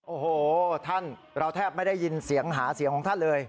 โอ้โหท่านเราแทบไม่ได้ยินเสียงหาเสียงของท่านเลย